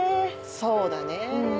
そうだね。